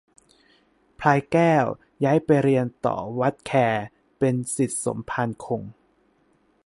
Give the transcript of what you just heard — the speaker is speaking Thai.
พลายแก้วย้ายไปเรียนต่อวัดแค เป็นศิษย์สมภารคง